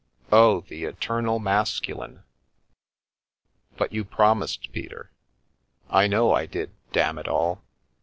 " Oh, the eternal masculine ! But you promised, Pe ter." "I know I did, damn it all!